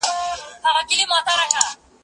زه له سهاره د ښوونځی لپاره امادګي نيسم؟!